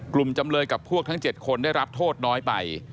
จำเลยกับพวกทั้ง๗คนได้รับโทษน้อยไป